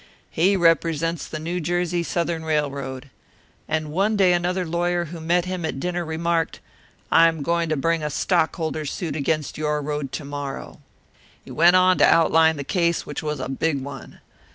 "He represents the New Jersey Southern Railroad. And one day another lawyer who met him at dinner remarked, 'I am going to bring a stockholders' suit against your road to morrow.' He went on to outline the case, which was a big one.